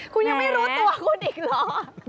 คุณยังไม่รู้ตัวคุณอีกเหรอ